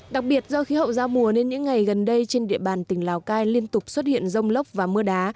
đặc biệt do khí hậu giao mùa nên những ngày gần đây trên địa bàn tỉnh lào cai liên tục xuất hiện rông lốc và mưa đá